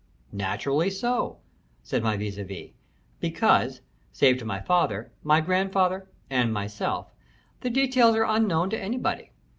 "Naturally so," said my vis à vis. "Because, save to my father, my grandfather, and myself, the details are unknown to anybody.